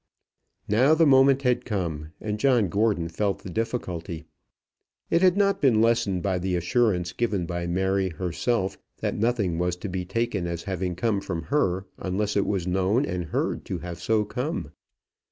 Now the moment had come, and John Gordon felt the difficulty. It had not been lessened by the assurance given by Mary herself that nothing was to be taken as having come from her unless it was known and heard to have so come.